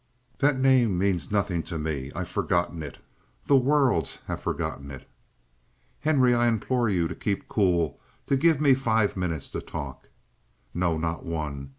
"That name means nothing to me I've forgotten it. The worlds has forgotten it." "Henry, I implore you to keep cool to give me five minutes for talk " "No, not one.